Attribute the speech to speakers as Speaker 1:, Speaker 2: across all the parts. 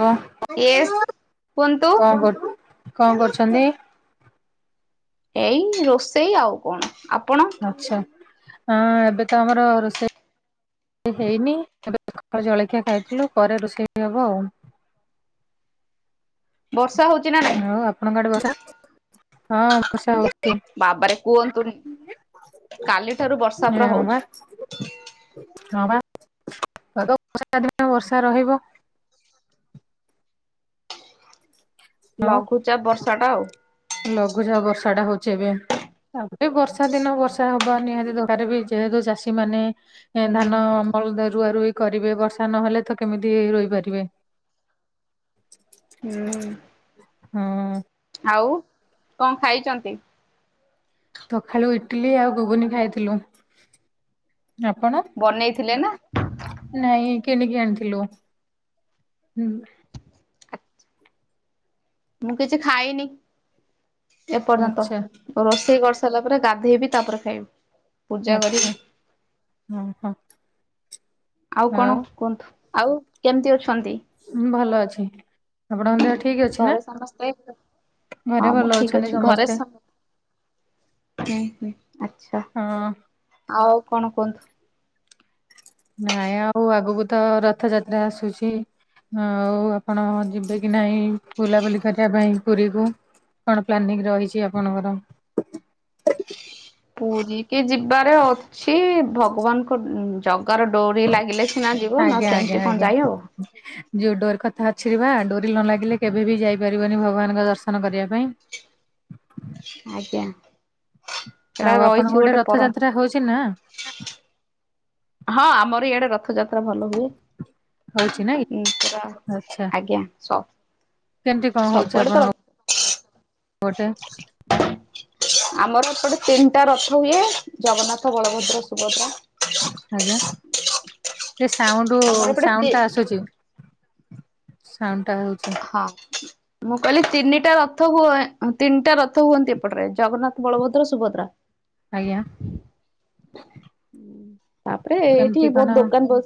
Speaker 1: ହ
Speaker 2: ୟେସ୍
Speaker 1: କଣ
Speaker 2: କୁହନ୍ତୁ
Speaker 1: କର କଣ କରୁଛନ୍ତି?
Speaker 2: ଏଇ ରୋଷେଇ ଆଉ କଣ ଆପଣ?
Speaker 1: ଆଚ୍ଛା ଏବେ ତ ଆମର ରୋଷେଇ ହେଇନି ଏବେ ଜଳଖିଆ ଖାଇଥିଲୁ ପରେ ରୋଷେଇ ବି ହବ ଆଉ
Speaker 2: ବର୍ଷା ହଉଛି ନା। ନାଇଁ?
Speaker 1: ଆଉ ଆପଣଙ୍କ ଆଡେ ବର୍ଷା ହଉଛି ହଁ। ବର୍ଷା ହଉଛି
Speaker 2: ବାବାରେ କୁହନ୍ତୁନି? କାଲିଠାରୁ ବର୍ଷା ପୁରା
Speaker 1: ହଁ ବା
Speaker 2: ହଉଛି।
Speaker 1: ହଁ ବା। ବର୍ଷା ଦିନ ବର୍ଷା ରହିବ। ଆଉ
Speaker 2: ଲଘୁଚାପ ବର୍ଷାଟା ଆଉ
Speaker 1: ଲଘୁଚାପ ବର୍ଷାଟା ହଉଛି ଏବେ। ତା ପରେ ବର୍ଷା ଦିନ ବର୍ଷା ହବା ନିହାତି ଦରକାର ବି। ଯେହେତୁ ଚାଷୀମାନେ ଏଁ ଧାନ ଅମଳ, ତ ରୁଆରୁଇ କରିବେ। ବର୍ଷା ନହେଲେ, ତ କେମିତି ରୋଇ ପାରିବେ?
Speaker 2: ହୁଁ।
Speaker 1: ହଁ
Speaker 2: ଆଉ କଣ ଖାଇଛନ୍ତି?
Speaker 1: ସକାଳୁ ଇଟିଲି ଆଉ ଘୁଗୁନି ଖାଇଥିଲୁ। ଆପଣ?
Speaker 2: ବନେଇଥିଲେ ନା?
Speaker 1: ନାଇଁ କିଣିକି ଆଣିଥିଲୁ। ହୁଁ।
Speaker 2: ମୁଁ କିଛି ଖାଇନି ଏପର୍ଯ୍ୟନ୍ତ।
Speaker 1: ଆଚ୍ଛା
Speaker 2: ରୋଷେଇ କରି ସାରିଲା ପରେ ଗାଧେଇବି, ତାପରେ ଖାଇବି। ପୂଜା କରିବି।
Speaker 1: ଆଛା ହଁ ହଁ।
Speaker 2: ଆଉ କଣ କୁହନ୍ତୁ ଆଉ କେମିତି ଅଛନ୍ତି?
Speaker 1: ହୁଁ ଭଲ ଅଛି ଆପଣଙ୍କ ଦେହ ଠିକ୍
Speaker 2: ଘରେ ସମସ୍ତେ
Speaker 1: ଘରେ
Speaker 2: ହଁ
Speaker 1: ଭଲ
Speaker 2: ମୁଁ ଠିକ
Speaker 1: ଅଛନ୍ତି
Speaker 2: ଅଛି ଘରେ ସମସ୍ତେ ହୁଁ ହୁଁ। ଆଚ୍ଛା।
Speaker 1: ହଁ।
Speaker 2: ଆଉ କଣ କୁହନ୍ତୁ?
Speaker 1: ନାଇଁ ଆଉ ଆଗକୁ ତ ରଥଯାତ୍ରା ଆସୁଛି। ଆଉ ଆପଣ ଯିବେ କି ନାହିଁ ବୁଲାବୁଲି କରିବା ପାଇଁ ପୁରୀକୁ? କଣ ପ୍ଲାନିଂ ରହିଛି ଆପଣଙ୍କର?
Speaker 2: ପୁରୀ କି ଯିବାର ଅଛି ଭଗବାନଙ୍କ ଜଗାର ଡୋରି ଲାଗିଲେ ସିନା ଯିବ ନ ସେମିତି କଣ ଯାଇ ହବ?
Speaker 1: ଯୋଉଁ ଡୋରି କଥା ଅଛିରେ ବା ଡୋରି ନ ଲାଗିଲେ, କେବେ ବି ଯାଇପାରିବନି ଭଗବାନଙ୍କ ଦର୍ଶନ କରିବା ପାଇଁ।
Speaker 2: ଆଜ୍ଞା। ଏଇଟା
Speaker 1: ଆଉ ଆପଣଙ୍କ
Speaker 2: ରହିଛି
Speaker 1: ଗୋଟେ
Speaker 2: ପରମ୍ପରା
Speaker 1: ରଥଯାତ୍ରା ହଉଛି ନା?
Speaker 2: ହଁ ଆମର ଇଆଡେ ରଥଯାତ୍ରା ଭଲ ହୁଏ।
Speaker 1: ହଉଛି ନାଇଁ
Speaker 2: ଉଁ ଆ
Speaker 1: ଆଚ୍ଛା
Speaker 2: ଆଜ୍ଞା ସ
Speaker 1: କେମିତି
Speaker 2: ସବୁଆଡେ ତ ର
Speaker 1: ଗୋଟେ
Speaker 2: ଆମର ଏପଟେ ତିନିଟା ରଥ ହୁଏ ଜଗନ୍ନାଥ, ବଳଭଦ୍ର, ସୁଭଦ୍ରା।
Speaker 1: ଆଜ୍ଞା ଏ ସାଉଣ୍ଡ
Speaker 2: ଆମର ଏପଟେ ତି
Speaker 1: ସାଉଣ୍ଡଟା ଆସୁଛି। ସାଉଣ୍ଡଟା ହଉଛି।
Speaker 2: ହଁ। ମୁଁ କହିଲି ତିନିଟା ରଥ ହୁଏ। ତିନିଟା ରଥ ହୁଅନ୍ତି ଏପଟରେ। ଜଗନ୍ନାଥ, ବଳଭଦ୍ର, ସୁଭଦ୍ରା।
Speaker 1: ଆଜ୍ଞା।
Speaker 2: ତାପରେ ଏଇଠି
Speaker 1: କେମିତି
Speaker 2: ବହୁତ
Speaker 1: କଣ?
Speaker 2: ଦୋକାନ ବ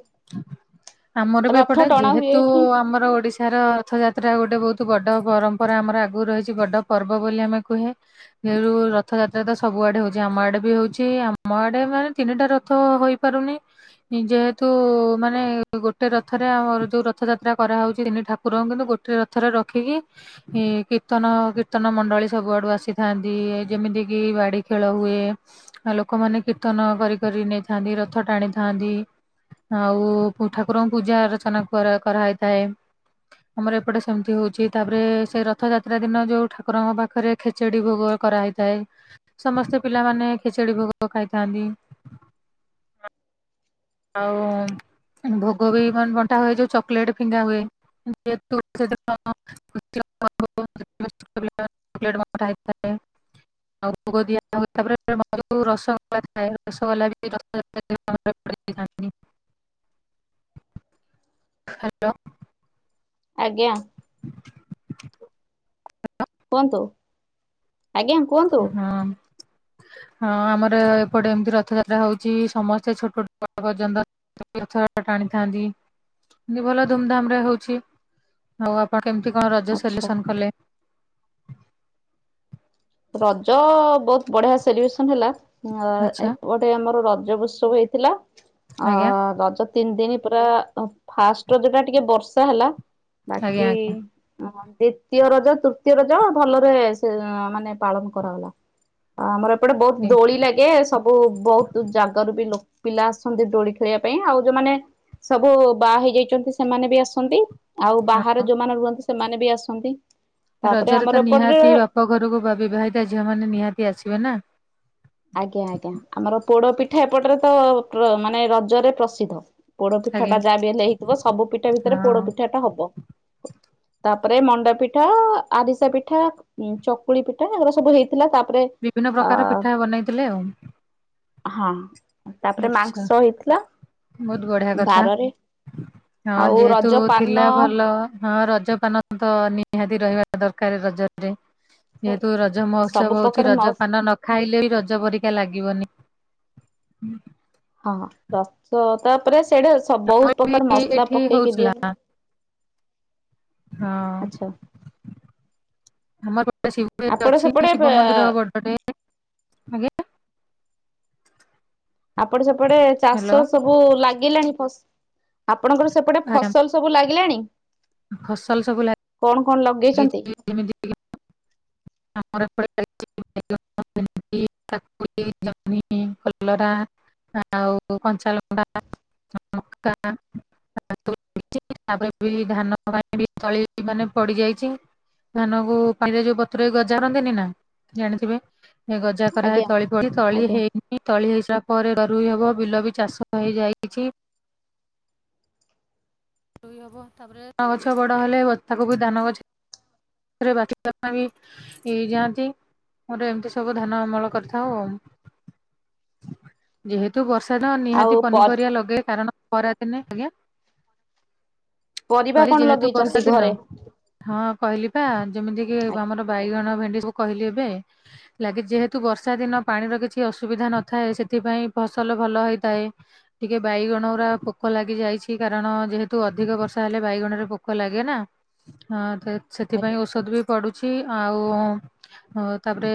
Speaker 1: ଆମର ବି ଏପଟେ ଯେହେତୁ ଆମର ଓଡିଶା ଏଠାର ରଥଯାତ୍ରା ଗୋଟେ ବହୁତ ବଡ଼ ପରମ୍ପରା ଆମର ଆଗରୁ ରହିଛି। ବଡ଼ ପର୍ବ ବୋଲି ଆମେ କୁହେ। ଏ ରୁ ରଥଯାତ୍ରା ତ ସବୁ ଆଡେ ହଉଛି। ଆମ ଆଡେ ବି ହଉଛି। ଆମ ଆଡେ ମାନେ ତିନିଟା ରଥ ତ ହୋଇପାରୁନି। ଯେହେତୁ ମାନେ ଗୋଟେ ରଥରେ ଆମର ଯୋଉ ରଥ ଯାତ୍ରା କରାହଉଛି ତିନି ଠାକୁରଙ୍କୁ। କିନ୍ତୁ ଗୋ ଟିକେ ରଥରେ ରଖିକି ଇ-କୀର୍ତ୍ତନ କୀର୍ତ୍ତନ ମଣ୍ଡଳୀ ସବୁଆଡୁ ଆସିଥାନ୍ତି। ଏ ଯେମିତି କି ବାଡି ଖେଳ ହୁଏ। ଆଉ ଲୋକମାନେ କୀର୍ତ୍ତନ କରି କରି ନେଇଥାନ୍ତି। ରଥ ଟାଣିଥାନ୍ତି। ଆଉ ପୁ-ଠାକୁରଙ୍କୁ ପୂଜା ଅର୍ଚନା କରା କରାହେଇଥାଏ। ଆମର ଏପଟେ ସେମିତି ହୋଉଛି। ତାପରେ ସେ ରଥଯାତ୍ରା ଦିନ ଯୋଉ ଠାକୁରଙ୍କ ପାଖରେ ଖେଚେଡ଼ି ଭୋଗ କରାହେଇଥାଏ। ସମସ୍ତେ ପିଲାମାନେ ଖେଚେଡ଼ି ଭୋଗ ଖାଇଥାନ୍ତି। ଆଉ ଭୋଗ ବି ମାନେ ବଣ୍ଟା ହୁଏ। ଯୋଉ ଚକୋଲେଟ ଫିଙ୍ଗା ହୁଏ। [unintelligible] [unintelligible] ଆଉ ଭୋଗ ଦିଆହୁଏ। ତାପରେ [unintelligible] ରସଗୋଲା ଥାଏ ରସଗୋଲା ବି ରଥ ଯାତ୍ରା ଦିନ [unintelligible] ହ୍ୟାଲୋ।
Speaker 2: ଆଜ୍ଞା।
Speaker 1: ହ୍ୟାଲୋ।
Speaker 2: କୁହନ୍ତୁ ଆଜ୍ଞା। କୁହନ୍ତୁ
Speaker 1: ହଁ। ହଁ ଆମର ଏପଟେ ଏମିତି ରଥଯାତ୍ରା ହଉଛି ସମସ୍ତେ ଛୋଟ ଠୁ ବଡ଼ ପର୍ଯ୍ୟନ୍ତ। ତୀର୍ଥ ଟାଣିଥାନ୍ତି ଭଲ ଧୁମ୍ ଧାମ୍ ରେ ହୋଉଛି। ଆଉ ଆପଣ କେମିତି କଣ ରଜ
Speaker 2: ଆଚ୍ଛା।
Speaker 1: ସେଲୁସନ୍‌ କଲେ?
Speaker 2: ରଜ ବହୁତ ବଢିଆ ସେଲିବ୍ରେସନ ହେଲା।
Speaker 1: ଆଚ୍ଛା
Speaker 2: ଏ ସେ ଆମର ରଜ ଉତ୍ସବ ହେଇଥିଲା। ଅ
Speaker 1: ଆଜ୍ଞା
Speaker 2: ରଜ ତିନି ଦିନି ପୁରା ଫାଷ୍ଟ ରଜଟା ଟିକେ ବର୍ଷା ହେଲା।
Speaker 1: ଆଜ୍ଞା
Speaker 2: ବାକି
Speaker 1: ଆଜ୍ଞା ହଁ
Speaker 2: ଦ୍ଵିତୀୟ ରଜ ତୃତୀୟ ରଜ ଭଲରେ ସେ ମାନେ ପାଳନ କରାଗଲା। ଆ ଆମର ଏପଟେ ବହୁତ ଦୋଳି ଲାଗେ ସ ବହୁତ୍‌ ଜାଗାରୁ ବି ପିଲା ଆସଛନ୍ତି ଦୋଳି ଖେଳିବା ପାଇଁ। ଆଉ ଯୋଉମାନେ ସବୁ ବାହା ହେଇଯାଇଛନ୍ତି ସେମାନେ ବି ଆସନ୍ତି। ଆଉ ବାହାରେ ଯୋଉମାନେ ରୁହନ୍ତି ସେମାନେ ବି ଆସନ୍ତି। ତାପରେ
Speaker 1: ରଜରେ ତ
Speaker 2: ଆମର ଏପଟରେ
Speaker 1: ନିହାତି ବାପ ଘରକୁ ବା ବିିବାହିତା ଝିଅ ମାନ ନିହାତି ଆସିବେ ନା।
Speaker 2: ଆଜ୍ଞା ଆଜ୍ଞା ଆମର ପୋଡ ପିଠା ଏପଟରେ ତ ମାନେ ରଜରେ ପ୍ରସିଦ୍ଧ। ପୋଡ ପିଠା
Speaker 1: ଆଜ୍ଞା
Speaker 2: ଟା ଯାହା ବି ହେଲେ ହେଇଥିବ ସବୁ ପିଠା ଭିତରେ ପୋଡ
Speaker 1: ହଁ।
Speaker 2: ପିଠା ଟା ହବ। ତାପରେ ମଣ୍ଡାପିଠା ଆରିସା ପିଠା। ଉଁ ଚକୁଳି ପିଠା ଏରା ସବୁ ହେଇଥିଲା। ତାପରେ
Speaker 1: ବିଭିନ୍ନ
Speaker 2: ଅ
Speaker 1: ପ୍ରକାର ପିଠା ବନେଇଥିଲେ ଆଉ।
Speaker 2: ହଁ ତାପରେ
Speaker 1: ଆଚ୍ଛା
Speaker 2: ମାଂସ ହେଇଥିଲା।
Speaker 1: ବହୁତ ବଢିଆ କଥା
Speaker 2: ବାରରେ
Speaker 1: ହଁ
Speaker 2: ଆଉ
Speaker 1: ଯେହେତୁ
Speaker 2: ରଜ ପାନ
Speaker 1: ଥିଲା ଭଲ। ହଁ ରଜପାନ ତ ନିହାତି ରହିବା ଦରକାର ରଜରେ। ଯେହେତୁ ରଜ
Speaker 2: ସବୁ
Speaker 1: ମହୋତ୍ସବ ହୋଉଛି
Speaker 2: ପ୍ରକାର
Speaker 1: ରଜ
Speaker 2: ମସ୍
Speaker 1: ପାନ ନ ଖାଇଲେ ବି ରଜ ପରିକା ଲାଗିବନି। ହୁଁ।
Speaker 2: ହଁ ଦଶ ତାପରେ ସେଟେ ଅଛି। ବହୁତ ପ୍ରକାର
Speaker 1: ବି
Speaker 2: ମସଲା
Speaker 1: ଏଠି
Speaker 2: ପକେଇକି
Speaker 1: ହଉଥିଲା
Speaker 2: ଦିଅନ୍ତି। ଆଚ୍ଛା
Speaker 1: ହଁ। ଆମର ଗୋଟେ
Speaker 2: ଆପଣ
Speaker 1: ଅଛି
Speaker 2: ସେପଟେ
Speaker 1: ଶିବ ମନ୍ଦିର ବଡଟେ। ଆଜ୍ଞା।
Speaker 2: ଆପଡେ ସେପଟେ
Speaker 1: ହ୍ୟାଲୋ
Speaker 2: ଚାଷ ସବୁ ଲାଗିଲାଣି ଫସ ଆପଣଙ୍କର ସେପଟେ
Speaker 1: ଆଜ୍ଞା
Speaker 2: ଫସଲ ସବୁ ଲାଗିଲାଣି?
Speaker 1: ଫସଲ ସବୁ ଲାଗ
Speaker 2: କଣ କଣ ଲଗେଇଛନ୍ତି?
Speaker 1: ଏମିତି ଆମର ଏପଡେ ଲାଗିଚି ଭେଣ୍ଡି, କାକୁଡି, ଜନି, କଲରା ଆଉ କଞ୍ଚା ଲଙ୍କା, ମକା ତାପରେ ବି ଧାନ ପାଇଁ ବି ତଳି ମାନେ ପଡିଯାଇଛି। ଧାନ କୁ ପାଣିରେ ଯୋଉ ବତୁରେଇ ଗଜା କରନ୍ତିନି ନା ଜାଣିଥିବେ। ଏ ଗଜା କରାହଇ
Speaker 2: ଆଜ୍ଞା
Speaker 1: ତଳି ପଡିଛି ତଳି
Speaker 2: ଆଜ୍ଞା
Speaker 1: ହେଇି ତଳି ହେଇସାରିଲା ପରେ ରୁଆ ଗୁଇ ହବ ବିଲ ବି ଚାଷ ହେଇଯାଇଛି। ରୁଇ ହବ ତାପରେ ଧାନ ଗଛ ବଡ ହେଲେ ବ ତାକୁ ବି ଧାନ ଗଛ। ତାପରେ ବାଛିବା ପାଇଁ ଯାଆନ୍ତି। ମୋର ଏମିତି ସବୁ ଧାନ ଅମଳ କରିଥାଉ। ଯେହେତୁ ବର୍ଷା ତ
Speaker 2: ଆଉ
Speaker 1: ନିହାତି ପନିପରିବା ଲଗେଇ କାରଣ। ଖରା ଦିନେ ଆଜ୍ଞା
Speaker 2: ପରିବା
Speaker 1: ସରୀ
Speaker 2: କଣ
Speaker 1: ଯେହେତୁ
Speaker 2: ଲଗେଇଛନ୍ତି
Speaker 1: ବର୍ଷା ଦିନ।
Speaker 2: ଘରେ?
Speaker 1: ହଁ କହିଲି ପା ଯେମିତି କି
Speaker 2: ଆଜ୍ଞା
Speaker 1: ଆମର ବାଇଗଣ, ଭେଣ୍ଡି ସବୁ କହିଲି ଏବେ। ଲାଗେ ଯେହେତୁ ବର୍ଷା ଦିନ ପାଣିର କିଛି ଅସୁବିଧା ନଥାଏ ସେଥିପାଇଁ ଫସଲ ଭଲ ହେଇଥାଏ। ଟିକେ ବାଇଗଣ ଗୁରା ପୋକ ଲାଗି ଯାଇଛି କାରଣ ଯେହେତୁ ଅଧିକ ବର୍ଷା ହେଲେ ବାଇଗଣ ରେ ପୋକ ଲାଗେ ନା। ହଁ ତ
Speaker 2: ଆଜ୍ଞା
Speaker 1: ସେଥିପାଇଁ ଔଷଧ ବି ପଡୁଛି ଆଉ ହଉ ତାପରେ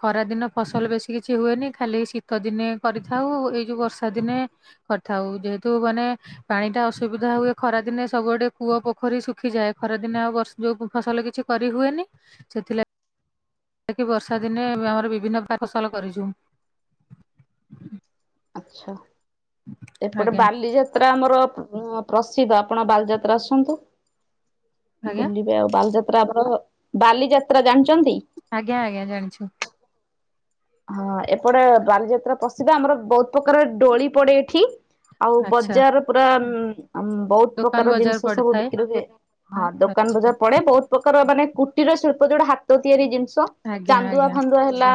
Speaker 1: ଖରା ଦିନ ଫସଲ ବେଶୀ କିଛି ହୁଏନି ଖାଲି ଶୀତ ଦିନେ କରିଥାଉ ଏଇ ଯୋଉ ବର୍ଷା ଦିନେ କରିଥାଉ ଯେହେତୁ ମାନେ ପାଣି ଟା ଅସୁବିଧା ହୁଏ ଖରାଦିନେ ସବୁ ଆଡ଼େ କୂଅ, ପୋଖରୀ ଶଖିଯାଏ ଖରାଦିନ ଆଉ ବର୍ଷ। ଯୋଉ ଫସଲ କିଛି କରିହୁୁଏନି ସେଥିଲାଗି ଯା କିି ବର୍ଷା ଦିନେ ଆମର ବିଭିନ୍ନ ଫସଲ କରିଛୁ।
Speaker 2: ଆଛା ଏପଟେ
Speaker 1: ଆଜ୍ଞା
Speaker 2: ବାଲିଯାତ ଯାତ୍ରା ଆମର ପ୍ରସିଦ୍ଧ ଆପଣ ବାଲଯାତ୍ରା ଆସନ୍ତୁ
Speaker 1: ଆଜ୍ଞା
Speaker 2: ବୁଲି। ଏ ଆଉ ବାଲିଯାତ୍ରା ଆମର ବାଲିଯାତ୍ରା ଜାଣିଛନ୍ତି?
Speaker 1: ଆଜ୍ଞା ଆଜ୍ଞା ଜାଣିଛି।
Speaker 2: ହଁ ଏପଟେ ବାଲିଯାତ୍ରା ପ୍ରସିଦ୍ଧ ଆମର ବହୁତ ପ୍ରକାର ଦୋଳି ପଡେ ଏଠି। ଆଉ
Speaker 1: ଆଚ୍ଛା
Speaker 2: ବଜାର ପୁରା ବହୁତ
Speaker 1: ଦୋକାନ
Speaker 2: ପ୍ରକାର
Speaker 1: ବଜାର
Speaker 2: ଜିନିଷ ସବୁ
Speaker 1: ପଡିଥାଏ
Speaker 2: ବିକ୍ରି ହୁଏ ହଁ ଦୋକାନ
Speaker 1: ଆଚ୍ଛା
Speaker 2: ବଜାର ପଡେ ବହୁତ ପ୍ରକାର ମାନେ କୁଟୀର ଶିଳ୍ପ ଯୋଉଟା ହାତ ତିଆରି ଜିନିଷ
Speaker 1: ଆଜ୍ଞା
Speaker 2: ଚାନ୍ଦୁଆ
Speaker 1: ଆଜ୍ଞା।
Speaker 2: ଫାନ୍ଦୁଆ ହେଲା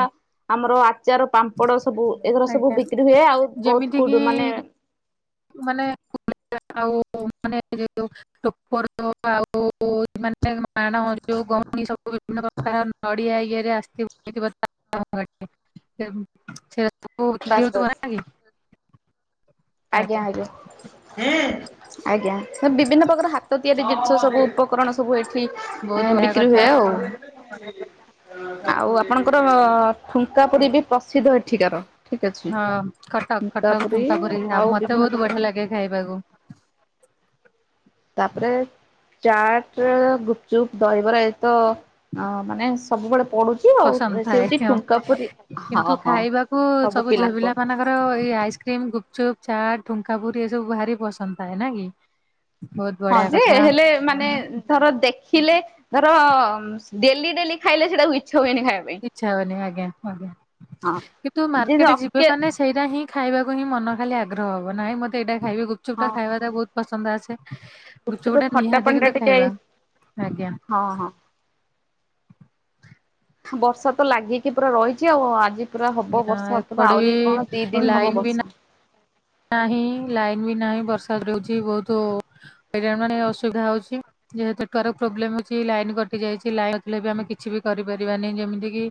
Speaker 2: ଆମର ଆଚାର, ପାମ୍ପଡ଼ ସବୁ ଏଗର ସବୁ
Speaker 1: ଆଜ୍ଞା
Speaker 2: ବିକ୍ରି ହୁଏ ଆଉ ବହୁତ
Speaker 1: ଯେମିତି କିି
Speaker 2: କୁଡୁ ମାନେ
Speaker 1: ମାନେ ଆଉ ମାନେ ଯ ଯଉର ଆଉ। [unintelligible] ବହୁତ ମାନେ ମାଣ ଯେଉଁ ଗହଣୀ ସବୁ ବିଭିନ୍ନ ପ୍ରକାର ନଡ଼ିଆ ଇଏରେ ଆସି
Speaker 2: ବାସ୍ ବାସ୍
Speaker 1: ଥିବ [unintelligible] [unintelligible]
Speaker 2: ଆଜ୍ଞା ଆଜ୍ଞା ଆଜ୍ଞା ବିଭିନ୍ନ ପ୍ରକାର ହାତ ତିଆରି ଜିନିଷ ସବୁ ଉପ ଉପକରଣ ସବୁ ଏଠି
Speaker 1: ବହୁତ ବଢିଆ
Speaker 2: ବିକ୍ରି
Speaker 1: କଥା
Speaker 2: ହୁଏ ଆଉ। ଆଉ ଆପଣଙ୍କର ଠୁଙ୍କା ପୁରୀ ବି ପ୍ରସିଦ୍ଧ ଏଠି। ଠିକାର ଠିକ ଅଛି
Speaker 1: ହଁ କଟକ କଟକ
Speaker 2: ଠୁଙ୍କାପୁରି।
Speaker 1: ଠୁଙ୍କା ପୁରୀ ମତେ ବହୁତ ବଢିଆ ଲାଗେ ଖାଇବାକୁ।
Speaker 2: ତାପରେ ଚାଟ, ଗୁପଚୁପ, ଦହିବରା ଏତ ମାନେ ସବୁବେଳେ ପଡୁଚି।
Speaker 1: ପସନ୍ଦ ଥାଏ ଆ
Speaker 2: ହଁ
Speaker 1: କିନ୍ତୁ
Speaker 2: ହଁ।
Speaker 1: ଖାଇବାକୁ ସବୁ ଝିଆପିଲା ମାନଙ୍କର ଆମର ଏଇ ଆଇସ୍କ୍ରିମ, ଗୁପଚୁପ୍, ଚାଟ, ଠୁଙ୍କାପୁରୀ ଏ ସବୁ ଭାରି ପସନ୍ଦ ଥାଏ ନା କି। ବହୁତ
Speaker 2: ହଁ
Speaker 1: ବଢିଆ
Speaker 2: ଯେ
Speaker 1: କଥା।
Speaker 2: ହେଲେ ମାନେ
Speaker 1: ହୁଁ,
Speaker 2: ଧର ଦେଖିଲେ ଧର ଡେଲି ଡେଲି ଖାଇଲେ ସେଇଟାକୁ ଇଚଛ ହୁଏନି ଖାଇବାକୁ।
Speaker 1: ଇଚ୍ଛା ହୁଏନି ଆଜ୍ଞା ଆଜ୍ଞା
Speaker 2: ହଁ।
Speaker 1: କିନ୍ତୁ
Speaker 2: ଯେ
Speaker 1: ମାର୍କେଟ ଯିବେ
Speaker 2: ଅକେ
Speaker 1: ମାନେ ସେଇଟା ହିଁ ଖାଇବାକୁ ହିଁ ମନ ଖାଲି ଆଗ୍ରହ ହବ। ନାହିଁ ମତେ ଏଇଟା ଖାଇବ ଗୁପଚୁପ୍
Speaker 2: ହଁ ହଁ
Speaker 1: ଖାଇବାଟା ବହୁତ ପସନ୍ଦ ଆସେ ଗୁପଚୁପ ଟା
Speaker 2: ଖଟା
Speaker 1: ନିହାତି
Speaker 2: ପାଣି ଟା
Speaker 1: କିନ୍ତୁ
Speaker 2: ଟିକେ
Speaker 1: ଖାଇବା ଆଜ୍ଞା।
Speaker 2: ହଁ ହଁ।। ବର୍ଷା ତ ଲାଗିକି ପୁରା ରହିଛି ଆଉ ଆଜି। ପୁରା ହବ
Speaker 1: ଆଜ୍ଞା
Speaker 2: ବର୍ଷା ପୁରା
Speaker 1: ଏପଟେ ବି
Speaker 2: ଆହୁରି କଣ ଦି ଦିନ
Speaker 1: ଲାଇନ
Speaker 2: ହବ
Speaker 1: ବି
Speaker 2: ବର୍ଷା।
Speaker 1: ନାହିଁ ଲାଇନ ବି ନାହିଁ ବର୍ଷାଦ ରହୁଛି ବହୁତ ହଇରାଣ ମାନେ ଅସୁବିଧା ହଉଛି। ଯେହେତକ ପ୍ରୋବ୍ଲେମ ଅଛି ଲାଇନ କଟି ଯାଇଛି ଲାଇନ ନଥିଲେ ବି ଆମେ କିଛି ବି କରିପାରିବାନି ଯେମିତି କିି।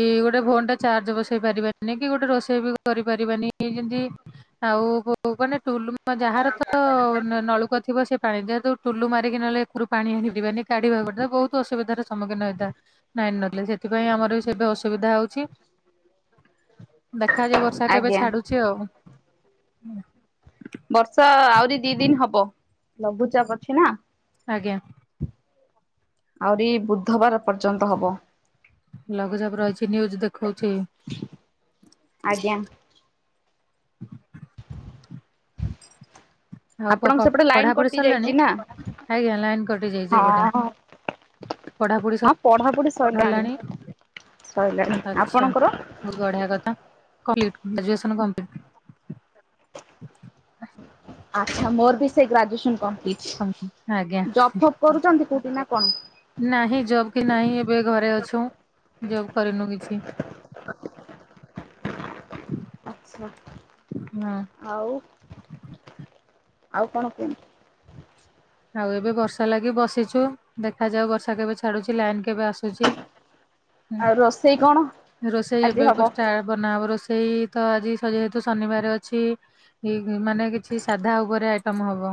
Speaker 1: ଏ ଗୋଟେ ଫୋନ ଟା ଚାର୍ଜ ବସେଇ ପାରିବାନି, କି ଗୋଟେ ରୋଷେଇ ବି କରିପାରିବାନି ଯେମତି। ଆଉ ମାନେଟୁଲୁ ଯାହାର ତ ନଳକୂଅ ଥିବ ସେ ପାଣି ଯେହେତୁ। ଟୁଲୁ ମାରିକି ନେଲେ ଏରୁ ପାଣି ଆଣି ପିବାନି କାଢିବାକୁ ପଡ ବହୁତ ଅସୁବିଧାର ସମ୍ମୁଖୀନ ହେଇ ଥାଏ। ଲାଇନ୍ ନଥିଲେ ସେଥିପାଇଁ ଆମର ବି ସେବେ ଅସୁବିଧା ହଉଛି। ଦେଖାଯାଉ ବର୍ଷା କେବେ
Speaker 2: ଆଜ୍ଞା
Speaker 1: ଛାଡୁଛି ଆଉ।
Speaker 2: ବର୍ଷା ଆଉରି ଦି ଦିନ ହବ ଲଘୁଚାପ ଅଛି ନା।
Speaker 1: ଆଜ୍ଞା
Speaker 2: ଆଉରି ବୁଧବାର ପର୍ଯ୍ୟନ୍ତ ହବ
Speaker 1: ଲଘୁଚାପ ରହିଛି ନ୍ଯୁୁଜ ଦେଖଉଛି।
Speaker 2: ଆଜ୍ଞା
Speaker 1: ଆଉ
Speaker 2: ଆପଣଙ୍କ ସେପଟେ ଲାଇନ
Speaker 1: ପଢାପଢି
Speaker 2: କଟି ଯାଇଚି
Speaker 1: ସରିଲାଣି?
Speaker 2: ନା,
Speaker 1: ଆଜ୍ଞା ଲାଇନ କଟି ଯାଇଛି ଏପଟେ
Speaker 2: ହଁ-ହ
Speaker 1: ପଢାପଢି
Speaker 2: ହଁ ପଢ଼ାପଢ଼ି ସଇଲାଣି
Speaker 1: ସରିଲାଣି
Speaker 2: ସଇଲାଣି ଆପଣଙ୍କର?
Speaker 1: ଗଢା କଥା କଲିଟ୍ ଗ୍ରାଜୁଏସନ୍ କଂପ୍ଲିଟ୍।
Speaker 2: ଆଛା ମୋର ବି ସେ ଗ୍ରାଜୁଏସନ୍ କଂପ୍ଲିଟ୍।
Speaker 1: ହ ଆଜ୍ଞା
Speaker 2: କରୁଚନ୍ତି କୋଉଠି ନା କଣ?
Speaker 1: ନାହିଁ ଜବ୍ କି ନାହିଁ ଏବେ ଘରେ ଅଛୁଁ ଜବ୍ କରିନୁ କିଛି। [inaudible]
Speaker 2: ଆଚ୍ଛା
Speaker 1: ହଁ
Speaker 2: ଆଉ ଆଉ କଣ କୁହ?
Speaker 1: ଆଉ ଏବେ ବର୍ଷା ଲାଗି ବସିଛୁ ଦେଖାଯାଉ ବର୍ଷା କେବେ ଛାଡୁଛି ଲାଇନ କେବେ ଆସୁଚି।
Speaker 2: ଆଉ ରୋଷେଇ କଣ?
Speaker 1: ହୁଁ ରୋଷେଇ ଏବେ ହବ ଷ୍ଟା ବନାହବ ରୋଷେଇ ତ ଆଜି ସ ଯେହେତୁ ଶନିବାର ଅଛି। ଏ ମାନେ କିଛି ସାଧା ଉପରେ ଆଇଟମ୍ ହବ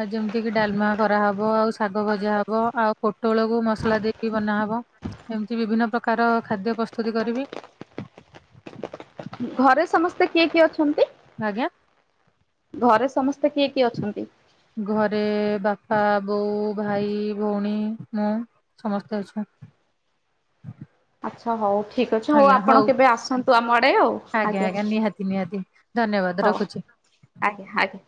Speaker 1: ଆ ଯେମ୍ କି ଡାଲମା କରାହବ ଆଉ ଶାଗ ଭଜା ହବ ଆଉ ପୋଟଳକୁ ମସଲା ଦେଇକି ବନାହବ। ଏମିତି ବିଭିନ୍ନ ପ୍ରକାର ଖାଦ୍ୟ ପ୍ରସ୍ତୁତି କରିବି।
Speaker 2: ଘରେ ସମସ୍ତେ କିଏ କିଏ ଅଛନ୍ତି?
Speaker 1: ଆଜ୍ଞା
Speaker 2: ଘରେ ସମସ୍ତେ କିଏ କିଏ ଅଛନ୍ତି?
Speaker 1: ଘରେ ବାପା, ବୋଉ, ଭାଇ, ଭଉଣୀ, ମୁଁ ସମସ୍ତେ ଅଛନ୍
Speaker 2: ଆଚ୍ଛା ହଉ ଠିକ୍ ଅଛି ହଉ ଆପଣ କେବେ ଆସନ୍ତୁ ଆମ ଆଡେ ଆଉ ଆ
Speaker 1: ଆଜ୍ଞା ଆଜ୍ଞା ନିହାତି ନିହାତି। ଧନ୍ୟବାଦ୍ ରଖୁଛି।
Speaker 2: ଆଜ୍ଞା ଆଜ୍ଞା